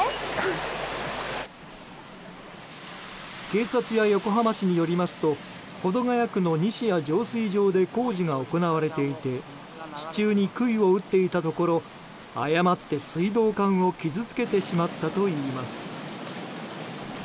警察や横浜市によりますと保土ケ谷区の西谷浄水場で工事が行われていて地中に杭を打っていたところ誤って水道管を傷つけてしまったといいます。